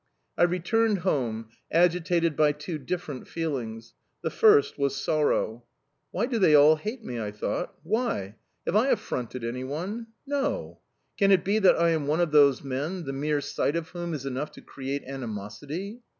I returned home, agitated by two different feelings. The first was sorrow. "Why do they all hate me?" I thought "why? Have I affronted anyone? No. Can it be that I am one of those men the mere sight of whom is enough to create animosity?"